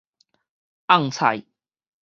甕菜